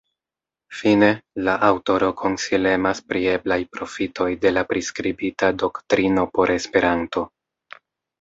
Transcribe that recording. Fine, la aŭtoro konsilemas pri eblaj profitoj de la priskribita doktrino por Esperanto.